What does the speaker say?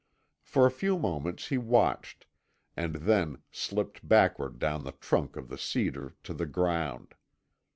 For a few moments he watched, and then slipped backward down the trunk of the cedar to the ground.